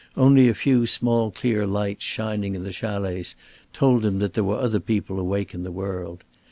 Only a few small clear lights shining in the chalets told them there were other people awake in the world.